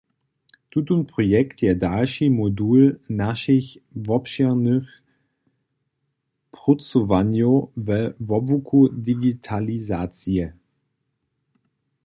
Tutón projekt je dalši modul našich wobšěrnych prócowanjow we wobłuku digitalizacije.